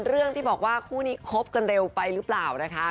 เรื่องที่บอกว่าคู่นี้คบกันเร็วไปหรือเปล่านะคะ